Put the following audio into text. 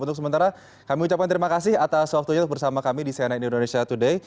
untuk sementara kami ucapkan terima kasih atas waktunya bersama kami di cnn indonesia today